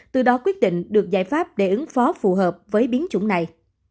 từ đó quyết định được giải pháp để ứng phó phù hợp với biến chủng này